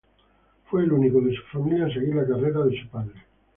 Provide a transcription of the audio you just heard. Fue el único de su familia en seguir la carrera de su padre.